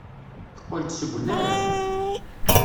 Teqqel-d seg unarem.